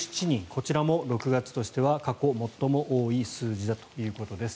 こちらも６月としては過去最も多い数字だということです。